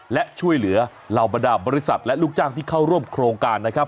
และช่วยเหลือเหล่าบรรดาบริษัทและลูกจ้างที่เข้าร่วมโครงการนะครับ